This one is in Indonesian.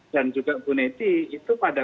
dan juga mbak aneti itu pada